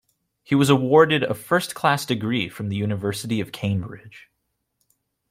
He was awarded a first-class degree from the University of Cambridge